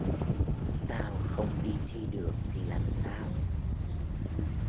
tao không đi thi được thì làm sao